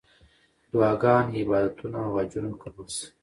دعاګانې، عبادتونه او حجونه قبول سه.